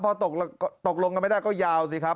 พอตกลงกันไม่ได้ก็ยาวสิครับ